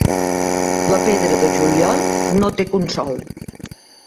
La pedra de juliol no té consol.